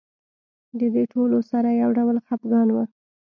د دې ټولو سره یو ډول خپګان و.